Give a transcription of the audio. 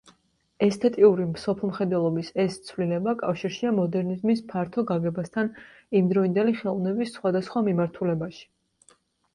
ესთეტიური მსოფლმხედველობის ეს ცვლილება კავშირშია მოდერნიზმის ფართო გაგებასთან იმდროინდელი ხელოვნების სხვადასხვა მიმართულებაში.